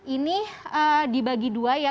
ini dibagi dua ya